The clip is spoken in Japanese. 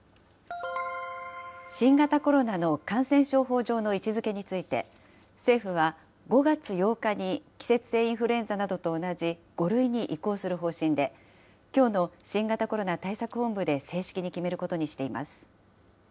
新型コロナの感染症法上の位置づけについて、政府は５月８日に季節性インフルエンザなどと同じ５類に移行する方針で、きょうの新型コロナ対策本部で正式に決めることにしています。